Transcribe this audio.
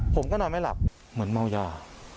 ผมก็นอนไม่หลับเหมือนเมายา